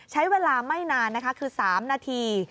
ใช้เวลาไม่นานนะคะคือ๓นาที